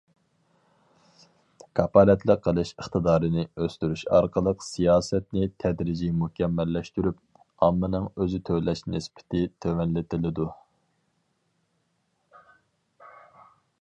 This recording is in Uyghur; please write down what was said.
كاپالەتلىك قىلىش ئىقتىدارىنى ئۆستۈرۈش ئارقىلىق سىياسەتنى تەدرىجىي مۇكەممەللەشتۈرۈپ، ئاممىنىڭ ئۆزى تۆلەش نىسبىتى تۆۋەنلىتىلىدۇ.